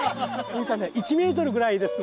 １ｍぐらいですので。